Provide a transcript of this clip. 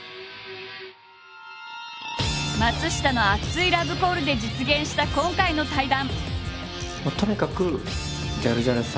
松下の熱いラブコールで実現した今回の対談。